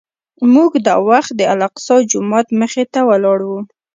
موږ دا وخت د الاقصی جومات مخې ته ولاړ وو.